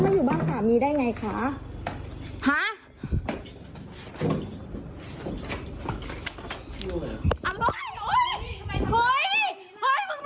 เฮ้ยมึงมีจิตอะไรมาตอบกู